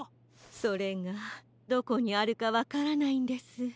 それがどこにあるかわからないんです。